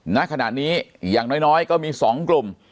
ณขณะนี้อย่างน้อยก็มี๒กลุ่ม